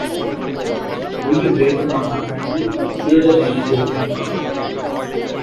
உயிர் வேண்டுமானால் ஊருக்குத் திருடபிப்போ என்றான்.